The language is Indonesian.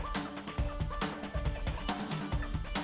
kita juga ubah tulisan untuk operasi chaos yang baru setelah kami juster puj fr safe